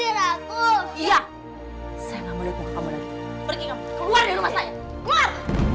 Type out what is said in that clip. iya saya gak boleh tuh kamu lagi pergi kamu keluar dari rumah saya keluar